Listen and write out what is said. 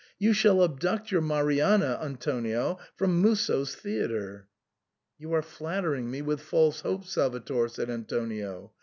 You shall abduct your Marianna, Antonio, from Musso's theatre." " You are flattering me with false hopes, Salvator," said Antonio.